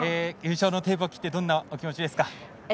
優勝のテープを切ってどんなお気持ちですか？